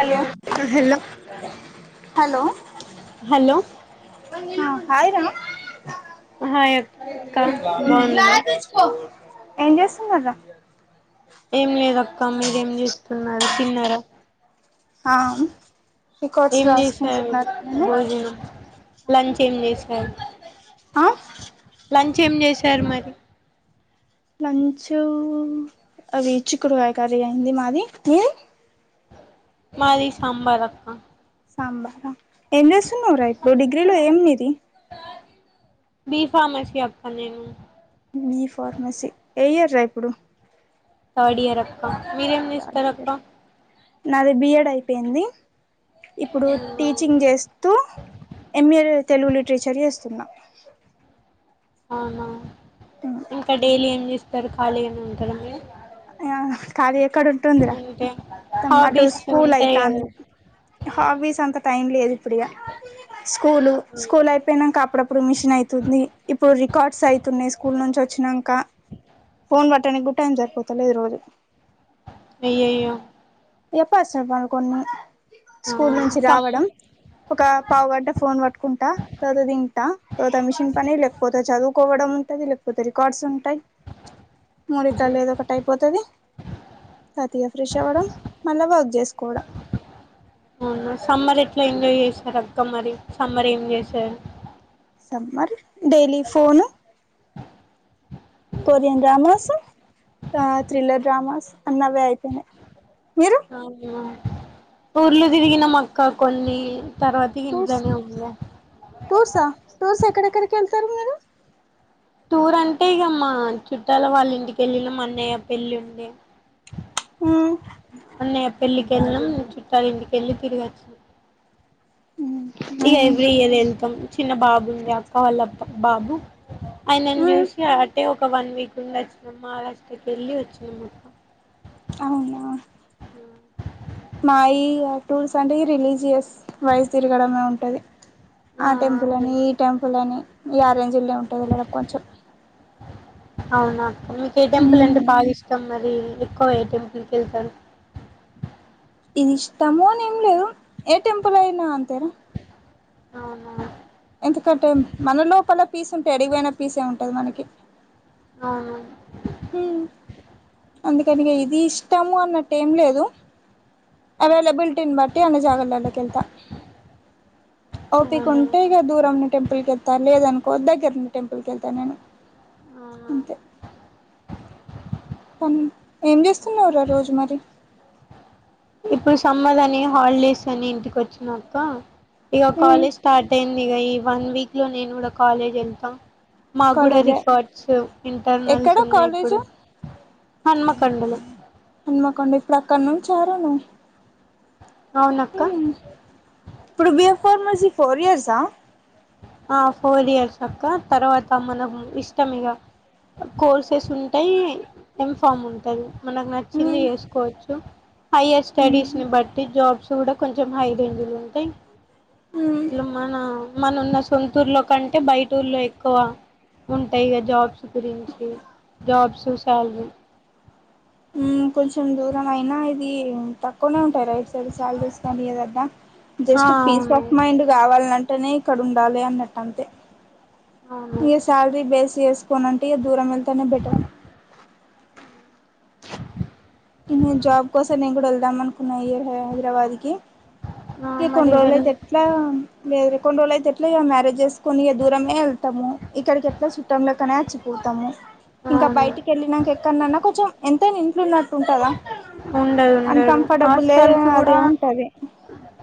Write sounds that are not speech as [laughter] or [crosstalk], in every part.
hello hello hello hello ఆ hi రా hi అక్క బాగున్నారా ఏం జేస్తున్నారు రా ఏం లేదక్క మీరేం జెస్తున్నారు తిన్నారా అ రికార్డ్స్ ఏం చేశారు రాసుకుంటున్నారా నేను భోజనం లంచ్ ఏం చేశారు ఆ చ్చం చేశారు మరి లంచు అవి చిక్కుడుకాయ కర్రీ అయింది మాది మీది మాది సాంబార్ అక్క సాంబారా ఏం చేస్తున్నావు రా ఇప్పుడు డిగ్రీలో ఏమి మిది బిఫామసి అక్క నేను ర ఇప్పుడు థర్డ్ ఇయర్ అక్క మీరేం థర్డ్ చేస్తారు ఇయర్ అక్క నాది బిఎడ్ అయిపోయింది ఇప్పుడు టీచింగ్ చేస్తూ ఎంఏ తెలుగు లిటరేచర్ చేస్తున్నా అవునా ఇంకా డైలీ ఏం చేస్తారు ఖాళీ ఏమ ఉంటారా మీరు ఆ ఖాళీ అక్కడ ఉంటుందిరా అంటే త అటు హాబీస్ ఉంటాయి స్కూలయితా కదా అంది హాబీస్ అంత టైంలేదు ఇప్పుడు ఇగ స్కూల్ స్కూల్ అయిపోయినాక అప్పుడప్పుడు మిషన్ అయితుంది ఇప్పుడు రికార్డ్స్ అయితున్నాయి స్కూల్ నుంచి వచ్చినాక ఫోన్ పట్టడానికి గూడా టైమ్ సరిపోతలేదు రోజు అయ్యయ్యో ఎప్పసార్ మన కొన్ని ఆ స్కూల్ నుంచి రావడం సమ్ ఒక పావు గంట ఫోన్ పట్టుకుంటా తర్వాత తింటా తర్వాత మిషన్ పని లేకపోతే చదువుకో ఉంటది లేకపోతే రికార్డ్స్ ఉంటాయి మూరిట్లా లేదో ఒకటి అయిపోతది తాయితీగా ఫ్రెష్ అవ్వడం మళ్ళా వర్క్ చేసుకోవడం అవునా సమ్మర్ ఎట్లా ఎంజాయ్ చేసారు అక్క మరి సమ్మర్ ఏం చేశారు summer daily phone Korean dramas ఆ థ్రిల్లర్ డ్రామాస్ అన్నవే అయితేనే మీరు అవునా ఊర్లు దిరిగినం అక్క కొన్ని తర్వాత టూర్స్ ఇంట్లోనే ఉన్నాం టూర్సా టూర్స్ ఎక్కడెక్కడికి వెళ్తారు మీరు టూర్ అంటే ఇకమ్మా చుట్టాల వాళ్ళ ఇంటికీ వెళ్ళినం అన్నయ్య పెళ్లి ఉండే ఉమ్ పెళ్ళలి కెళ్ళినం చుట్టాల ఇంటికెళ్ళి తిరిగి వచ్చి ఇక ఎవ్రీ ఇయర్ వెళ్తాం చిన్న బాబు ఉంది అక్క వాళ్ళప్ప బాబు అయినను మ్మ్ చూసి అటే ఒక వన్ వీక్ ఉండి వచ్చినాము మహారాష్ట్రకి వెళ్ళి వచ్చినాము ఒక అవునా మాయ టూర్స్ అంటే రిలీజియస్ వైస్ తిరగడమే ఉంటది ఆ టెంపుల్ అని ఈ టెంపుల్ అని ఈ ఆరేంజీల్లో ఉంటుది కొంచెం అవునా మీకు ఏ టెంపుల్ మ్మ్ అంటే బాగా ఇష్టం మరి ఎక్కువ ఏ టెంపుల్ కెళ్తారు ఇది ఇష్టము అని ఏం లేదు ఏ టెంపుల్ అయినా అంతేరా అవున ఎందుకంటే మన లోపల పీస్ ఉంటే ఏడిగిపోయిన పీసే ఉంటది మనకి అవునూ అందుకనిక ఇది ఇష్టాము అన్నట్ట ఏం లేదు అవైలబిలిటీని బట్టి అన్న జగలలోకి ఎల్తా ఓపికు అవునా ఉంటే ఇక దూరం ఉన్న టెంపుల్కి లేదనుకో దగ్గర ఉన్న టెంపుల్ కి వెళ్తా నేను అవునా అంతే ఏం చేస్తున్నవరా రోజు మరి ఇప్పుడు సమ్మర్ అని హాలిడేస్ అని ఇంటికి వచ్చా అక్క ఇక ఉమ్ కాలేజ్ స్టార్ట్ అయింది ఇగ ఈ వన్ వీక్ లో నేను కూడా కాలేజ్ వెళ్తా మా గూడా కాలేజే రికార్డ్స్ ఎక్కడ ఇంటర్నల్స్ ఉన్నాయి కాలేజు ఇప్పుడు హన్మకొండలు హన్మకొండ ఇప్పుడు అక్కడ నుంచి ఆరాను అవునక్క ఇప్పుడు బిఎఫ్ ఫార్మసీ ఫోర్ ఇయర్సా ఆ ఫోర్ ఇయర్స్ అక్క తర్వాత మనకు ఇష్టం ఇగ కోర్సెస్ ఉంటయ్ ఎంఫామ్ ఉంటది మనకు నచ్చింది ఉమ్ చేసుకోవచ్చు హైయర్ స్టడీస్ ని బట్టి జాబ్స్ కూడా కొంచెం హై దులు ఉంటయ్ ఉమ్ ఇట్లా మన మన ఉన్న సొంతూరులో కంటే బైటూర్లో ఎక్కువ ఉంటయ్ కద జాబ్స్ గురించి జాబ్స్ శాలరీ ఉమ్ కొంచెం దూరం అయినా ఇది తక్కువనే ఉన్ [unintelligible] ఆ జస్ట్ పీస్ అవును ఆఫ్ మైండ్ గావాలే అన్ టనే ఇక్కడుండాలి అన్నట్టంతే అవును సాలరీ బేస్ చేసుకోనంటే ఇగ దూరం వెళ్తేనే బెటర్ నేను జాబ్ కోసం నేను కూడా వెళ్దాం అనుకున్నా ఈ ఇయర్ హైదరాబాద్ కి ఆ కొన్ని మరి రోజులు వెళ్ అయితే ఎట్లా లేరు కొన్ని రోజులు అయితేట్లా ఇగ మ్యారేజ్ జేసుకొని దూరమే వెళ్తాము ఇక్కడికి ఎట్లా చుట్టంలెక్కనే క వచ్చిపోతాము ఇంక అవును బయటికి వెళ్ళినంక ఎక్కనన్నా కొంచెం ఎంతైనా ఇంట్లున్న ఉంటదా ఉండదు ఉండదు అన్కంఫర్టబుల్ హాస్టల్స్ అదే కూడా ఉంటది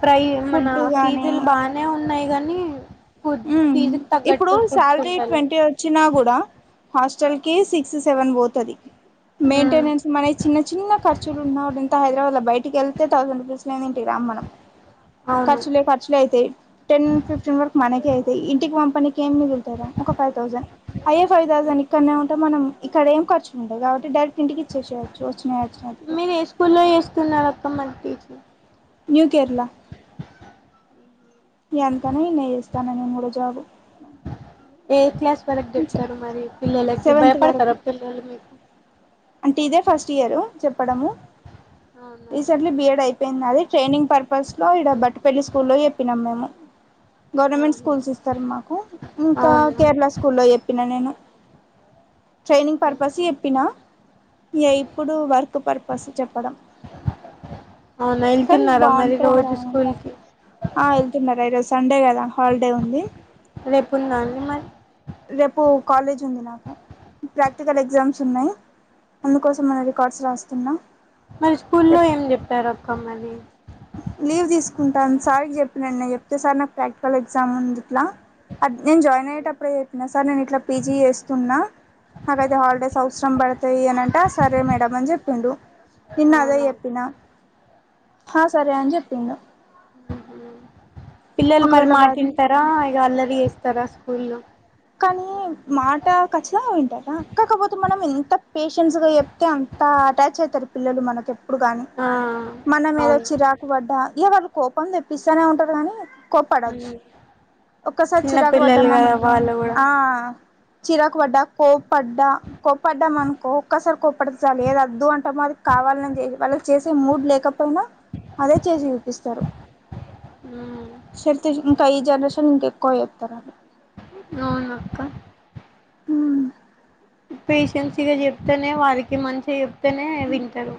ప్రై మన ఫుడ్ గాని ఫీజులు బానే ఉన్నయ్ కానీ ఉ ఇప్పుడు శాలరీ ఉంటలేవ్ ట్వంటీ వచ్చినా గూడ హాస్ కి సిక్స్ సెవెన్ పోతది ఉమ్ మెయింటెనెన్స్ చిన్న చిన్న ఖర్చులు ఉన్నాడుంత వాల్ బయటికి వెళ్తే థౌసండ్ రూపీస్ లోదింటికి రాం మనం అవును ఖర్చులే ఖర్చులే అయితయ్ టెన్ ఫిఫ్టీన్ వరకు అయితయ్ ఇంటికి పంపనీకి ఏం మిగులుతారు ఒక ఫైవ్ థౌసండ్ అయే ఫైవ్ థౌండ్ ఇక్కన్నే ఉంటే మనం ఇక్కడ ఏం ఖర్చుండదు కాట్టి డైరెక్ట్ ఇంటికి ఇచ్చేయవచ్చా వచ్చ మీరు ఏ స్కూల్లో చేస్తున్నారు అక్కమన్ టీచర్ న్యూ కేరళ ఎంతన ఇన్న చేస్తాన నేను కూడా జాబు ఏ క్లాస్ వరకు జెప్తరు మరి పిల్లలకి భయ సెవెంత్ పడతార వరకు పిల్లలు మీకు అంటే ఇదే ఫస్ట్ ఇయరు చెప్పడము అవునా రీసెంట్లీ బిఎడ్ అయిపోయింది నాది ట్రైనింగ్ పర్పస్ లో ఇడ బట్టుపల్లి స్కూల్లో చెప్పినాం మేము ఆహా గవర్నమెంట్ స్కూల్స్ ఇస్తారు మాకు ఇంకా అవునా కేరళ స్కూల్లో ఎప్పిన నేను ట్రైనింగ్ పర్పస్ ఎప్పిన ఇయ ఇప్పుడు వర్క్ పర్పస్ చెప్పడం అవునా కన్ వెళ్తున్నారా మరి బాంటదిరా రోజు స్కూల్ కి ఆ వెళ్తున్నారు ఈ రోజ్ సండే కదా హాలిడే ఉంది రేపు ఉందా అండి మరి రేపు కాలేజ్ ఉంది నాకు ప్రాక్టికల్ ఎగ్జామ్స్ ఉన్నాయి అందుకోసమే రికార్డ్స్ రాస్తున్నా మరి స్కూల్లో రేపు ఏం చెప్పారు అక్కమరి లీవ్ తీసుకుంటాన్ సారికి చెప్పిన నేను చెప్తే సార్ నాకు ప్రాక్టికల్ ఎగ్జామ్ ఉంది ఇట్లా అ నేను జాయిన్ అయ్యేటప్పుడే చెప్పిన సార్ నేను ఇట్లా పీజీ చేస్తున్నా అదైతే హాలిడేస్ అవసరం బడతాయి అనింటే సరే మేడం అని చెప్పిండు ఇన్న అదే అవునా ఎప్పినా ఆ సరే అని చెప్పింద పిల్లలు మరి ఒకవేళ వారిని మాటీంటరా ఇగ అల్లరి కదా ఫుల్లు కానీ మాట ఖచ్చితంగా వింటా కాకపోతే మనం ఎంత పేషెన్స్ గా చెప్తే అంత అటాచ్ అయితరు పిల్లలు మనకి ఎప్పుడు గాని ఆ మన మీద అవును వచ్చి రాకుబడ్డ ఎవరు కోపం తెప్పిస్తానే ఉంటరు కానీ కోప్పడద్దు ఒక్కసారి చిన్న చిరాకు పిల్లలు పడ్డాం కదా అనుకో వాళ్ళు కూడా ఆ చిరాకు వడ్డా కో పడ్డా కోప్పడ్డాం అనుకో ఒక్కసారి కోప్పడ చాలి ఏది అద్దు అంటామో అది కావాలని వాళ్ళు చేసే మూడ్ లేకపోయినా అదే చేసి చూపిస్తరు ఉమ్ ఇంకా ఈ జనరేషన్ ఇంకెక్కువ చేత్తారు అవును అక్క ఉమ్ పేషెన్సిగా చెప్తేనే వారికి మంచి నే వింటరు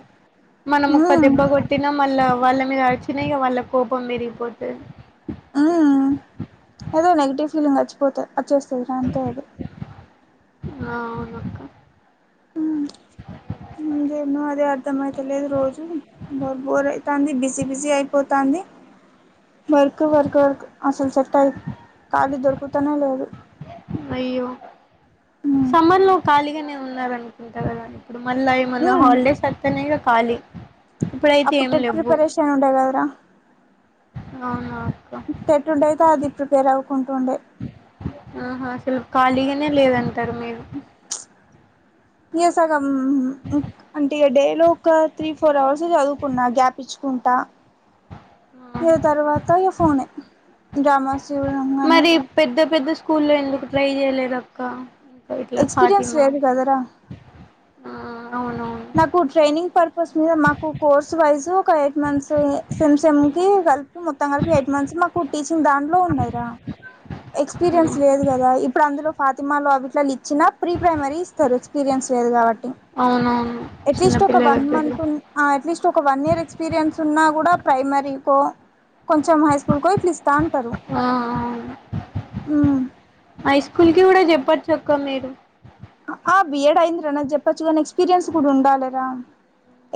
మనం ఒక్క దెబ్బ కొట్టినా మళ్ళ వాళ్ళ మీద ఆర్చిన ఇగ వాళ్ళ కోపం మిదికి పోతది ఉమ్ పోత వచ్చేస్తది అ అంతే అది అ అవునక్క ఉ ఎన్నో అదే అర్థంమయితలేదు రోజు బోర్ బోర్ అయితాంది బిజీ బిజీ అయిపోతాంది వర్క్ వర్క్ వర్క్ అసలు సెట్ అయి ఖాళీ దొరుకుతనే లేదు అయ్యో ఉమ్ సమ్మర్లో ఖాళీగానే ఉన్నారు అనుకుంట కద మళ్ళా ఏమన్నా ఉమ్ హాలిడేస్ వత్తన్నయో ఖాళీ ఇప్పుడైతే అప్పుడు ఏం టెట్ లేవ్వు ప్రిపరేషన్ ఉండే కదరా అవున ఇట్టే ఎట్టుండే అయితే అది ప్రిపేర్ అవ్వకుంటు ఉండే ఆహా అసలు ఖాళీగానే లేదంటారు మీరు ఎ సగం అంటే డేలో ఒక త్రీ ఫోర్ అవర్స్ జదువుకున్నా గ్యాప్ ఇచ్చుకుంటా ఆ ఏ తర్వాత ఈయ ఫోనే డ్రామాస్ చూడడం గాని మరి పెద్ద పెద్ద స్కూల్లో ఎందుకు ట్రై చేయలేదక్క ఇట్ల ఎక్స్పీరియన్స్ ఫాతిమా లేదు కదరా ఆ అవును నాకు ట్రైనింగ్ పర్పస్ మీద మాకు కోర్స్ వైజ్ ఒక ఎయిట్ మంత్స్ సెమ్ సెమ్ కి కలిపి మొత్తం కలిపి ఎయిట్ మంత్స్ మాకు టీచింగ్ దాంట్లో ఉన్నయిరా ఎక్స్పీరియన్స్ లేదు కదా ఇప్పుడు అందులో ఫాతిమాలో అవిట్లా చిన ప్రీ ప్రైమరీ ఇస్తరు ఎక్స్పీరియన్స్ లేదు కాబట్టి అవునవును అట్లీస్ట్ ఒక చిన్నపిల్లల వన్ దగ్గర మంత్ అట్లీస్ట్ ఒక వన్ ఇయర్ ఎక్స్పీరియన్స్ ఉన్నా డా ప్రైమరీకో కొంచం హై స్కూల్కో ఇట్ల ఇస్తాంటరు ఆ అవును హై స్కూల్కి గుడా జెప్పచ్చు అక్క మీరు ఆ బిఎడ్ అయిందిరా నా జప్పచ్చు కానీ ఎక్స్పీరియన్స్ కూడా ఉండాలిరా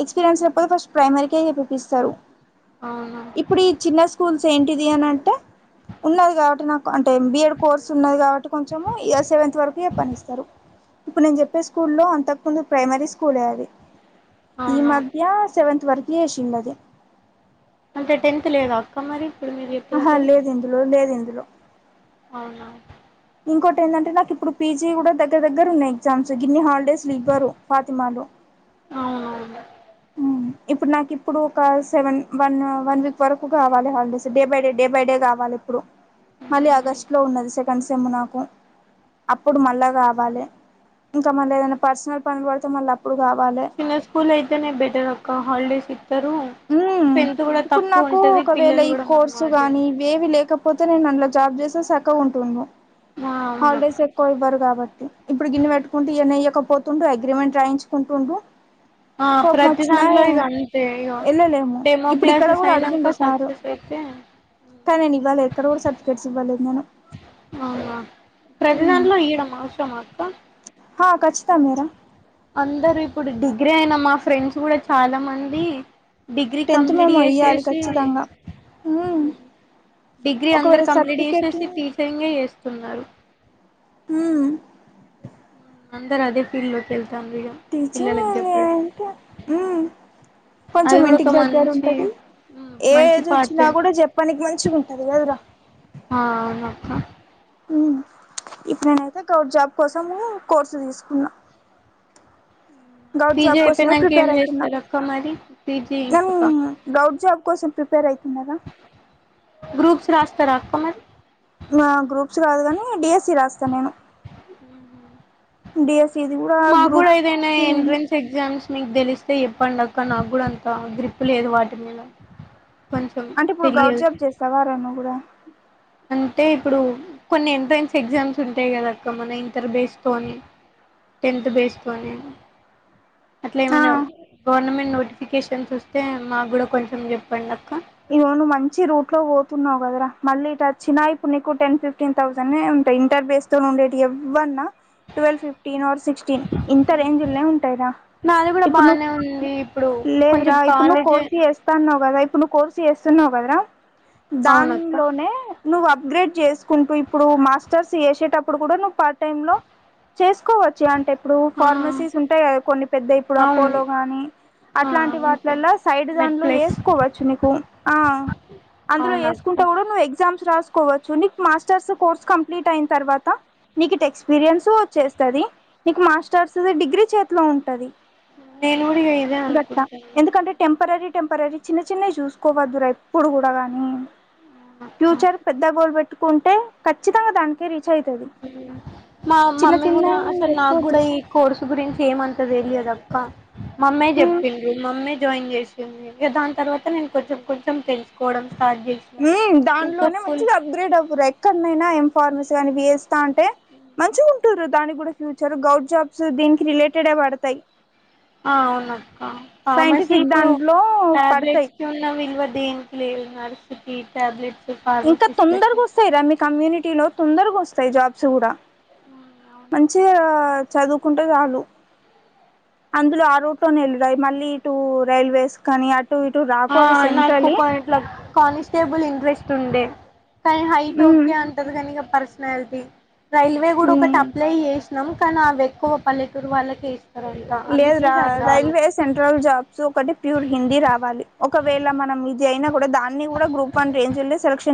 ఎక్స్పీరియన్స్ జెప్పరు ఫస్ట్ ప్రైమరీకే ఎపిస్తరు అవునా ఇప్పుడు ఈ చిన్న స్కూల్స్ ఏంటిది అని అంటే ఉన్నది కాబట్టి నాకు అంటే ఎమ్ బిఎడ్ కోర్స్ ఉన్నది కాబట్టి కొంచెము సెవెంత్ వరకు చెప్పనిస్తరు ఇప్పుడు నేను జెప్పే స్కూల్లో అంతకు ముందు ప్రైమరీసు కూ అది ఈ అవునా మధ్య సెవెంత వరకు ఏషిది అంటే టెన్త్ లేదు అక్క మరి ఇప్పుడు మీరు చెప్పే ఆహా దగ్గర లేదు ఇందులో లేదు ఇందులో అవునా ఇంకోటి ఏంటంటే నాకు ఇప్పుడు పీజీ కూడా దగ్గర దగ్గర ఉన్నాయి ఎగ్జామ్స్ గిన్ని హాలిడేస్ ఇవ్వరు పాతిమాలు అవునువును ఇప్పు ఇప్పుడు నాకు ఇప్పుడు ఒక సెవెన్ వన్ వన్ వీక్ వరకు కావాలి holidays day by day day by day కావాలి ఇప్పుడు మళ్ళీ ఆగస్టు లో ఉన్నది సెకండ్ సెమ్ నాకు అప్పుడు మళ్ళా కావాలే ఇంకా మళ్ళీ ఏదైనా పర్సనల్ పనులు పడితే మళ్ళీ అప్పుడు కావాలి చిన్న స్కూల్ అయితేనే బెటర్ అక్క హాలిడేస్ ఇతారు మ్మ్ ఇప్పుడు నాకు ఒకవేళ ఈ మనం కోర్సు గాని అటెంటివ్ ఇవేవి లేకపోతే నేను అ జాబ్ చేసే సక్కగా ఉంటుడు హాలిడేస్ అవునక్క ఎక్కువ ఇవ్వరు కాబట్టి ఇప్పుడు గిన్నె పెట్టుకుంటూ ఇయ నెయకపోతుంటూ అగ్రిమెంట్ రాయించుకుంటుండు ఆ కోపం ప్రతి వచ్చినా దాంట్లో ఇగ అంతే ఇగ వెళ్ళలేము డెమో ఇప్పుడు ఇక్కడ క్లాసెస్ కూడా అడిగిడు అయినంక సారు సక్సెస్ అయితే కానీ ఇవ్వలేదు ఎక్కడ కూడా సర్టిఫికేట్స్ ఇవ్వలేదు నేను అవునా ప్రతిదానిలో ఈయడం అవసరమా అక్క హా కచ్చితమేరా అందరు ఇప్పుడు డిగ్రీ అయిన మా ఫ్రెండ్స్ కూడా చాలా మంది డిగ్రీ టెన్త్ కంప్లీట్ మేము ఇయ్యాలి చేసేసి ఖచ్చితంగా ఉమ్ డిగ్రీ అందరు ఒకవేళ కంప్లీట్ సర్టిఫికెట్ చేసేసి టీచరింగే చేస్తున్నారు ఉమ్మ్ అందరూ అదే ఫీల్డ్ లోకి వెళ్తాండ్రు ఇగ టీచింగ్ పిల్లలకి చెప్పడం ఏందింట ఉ అది కొంచెం కూడా ఒక ఇంటికి దగ్గర మంచి ఉంటాంది ఏ మంచి ఏజ్ వచ్చినా పార్టే కూడా జపానికి మంచిగా ఉంటది కదరా ఆ అవునుక్క ఇప్పుడు నేనైతే గవర్ జాబ్ కోసం కోర్సు తీసుకున్నా గౌడ్ పీజీ జాబ్ కోసమే అయిపోయినంక ఏం ప్రిపేర్ అయితుంద చేస్తారక్క మరి పీజీ నమ్ ఇంకొక గౌడ్ జాబ్ కోసం ప్రిపేర్ అవుతున్నారా గ్రూప్స్ రాస్తారా అక్క మరి గ్రూప్స్ కాదు కాని డిఎస్సి రాస్తాను నేను డిఎస్ మాకు కూడా ఏదైనా ఎంట్రన్స్ ఎగ్జామ్స్ మీకు తెలిస్తేప్పు అప్పండక్క నాకు కూడా అంతా గ్రిప్పు లేదు వాటి మీద కొంచెం అంటే ఇప్పుడు గౌట్ తెలియదు జాబ్ చేస్తావారా నువ్వు కూడా అంటే ఇప్పుడు కొన్ని ఎంట్రన్స్ ఎగ్జామ్స్ ఉంటాయి కదాక్క మన ఇంటర్ బేస్ తోని టెన్త్ బేస్తోనీ అట్లా ఆ ఏమైనా గవర్నమెంట్ నోటిఫికేషన్స్ వస్తే మాకు కూడా కొంచెం చె ఇవను మంచి రూట్ లో పోతున్నా గద్రా మళ్ళీ ఇటు వచ్చినా ఇప్పుడు నీకు టెన్ ఫిఫ్టీన్ థౌసండ్ ఉంటాయి ఇంటర్బేస్ తో ఉండేవి ఎవన్నా ట్వెల్వ్ ఫిఫ్టీన్ ఆర్ సిక్స్టీన్ ఇంత రేంజ్ల్నే ఉంటాయిరా నాది కూడా ఇప్పుడు నువ్వు బానే ఉంది ఇప్పుడు కొంచెం లేదురా ఇప్పుడు నువ్వు కాలేజీ కోర్సి జేస్తాన్నావు కదా ఇప్పుడు ను్ కోర్స్ చేస్తున్నావు కదరా అవునక్క దానిలోనే నువ్ అప్గ్రేడ్ చేసుకుంటూ ఇప్పుడు మాస్టర్స్ చేసేటప్పుడు కూడా నువ్వు పార్ట్ టై లో చేసుకోవచ్చు అంటే ఇప్పుడు ఆ ఫార్మసీస్ ఉంటాయి కదా కొన్ని పెద్ద ఇప్పుడు అవును అపోలో గాని ఆ అట్లాంటి ఉంటాయి వాటిలలా సైడ్ మెడ్ దాంలు ప్లస్ వేసుకోవచ్చు అందులో వేసుకుంట అవునక్క కూడా నువ్వు ఎగ్జామ్స్ రాసుకోవచ్చు నీ మాస్టర్స్ కోర్స్ కంప్లీట్ అయిన తర్వాత నీకు ఎక్స్పీరియన్స్ వచ్చేస్తది నీకు మాస్టర్స్ డిగ్రీ చేతిలో ఉంటది నేను కూడా ఇగ ఇదే గట్ట అనుకుంటున్నా ఎందుకంటే టెంపరీ టెంపరరీ చిన్న చి చిన్నవి చూసుకోవద్దురా ఎప్పుడు కూడా గానీ ఫ్యూచర్ పెద్ద గోల్ పెట్టుకుంటే ఖచ్చితంగా దానికే రీచ్ అవుతుది మా మమ్మీ కూడా అసలు నాకు పెట్టుకోవద్దు కూడా ఈ కోర్సు గురించి ఏమంతది తెలిదు అక్క మామ్మే ఉమ్ చెప్పింది మమ్మే జాయిన్ చేసిందిక దాని తర్వాత నేను కొంచెం కొంచెం తెలుసు దానిలోనే ఫుల్ మంచిగా అప్గ్రేడ్ అవ్వరు ఎక్కడనైనా ఏం ఫార్మసీ కానీ బిఎస్ అంటే మంచిగా ఉంటురు దానికి కూడా ఫ్యూచర్ గవర్డ్ జాబ్స్ దీనికి రిలేటెడ్ పడతాయి ఆ అవున అక్క ఫమసి సైంటిఫిక్ ఇప్పుడు దాంట్లో పడతాయి టాబ్లెట్స్ కి ఉన్నా విల్వ దేనికి లేదు నర్స్ కి టాబ్లెట్స్ ఇంకా తొందరగా ఫార్మసిస్ట్లకి వస్తాయిరా మీ కమ్యూనిటీ లో తొందరగా వస్తాయి జాబ్స్ కూడా అవును మంచిగా చదువుకుంటే చాలు అందులో ఆ రూట్ లోనే వెళ్ళరాయి మళ్ళీ ఇటు రైల్వేస్ కానీ ఇటు రాకు అవి నాకు సెంట్రలీ ఇట్ల కానిస్టేబుల్ ఇంట్రెస్ట్ డే కానీ హైట్ ఉమ్ ఓకే అంటది కానీక పర్సనాలిటీ రైల్వే కూడా ఒకటి ఉమ్ అప్లై చేసినాం కానీ అవి ఎక్కువ పలెూరు వాళ్ళకినా లేదు రా రైల్వే సెంట్రల్ జాబ్స్ ఒకటి ప్యూర్ హిందీ రావాలి ఒకవేళ మనం ఇది అయినా కూడా దాన్ని కూడా గ్రూప్ వన్ రేంజ్ లో సెలక్షన్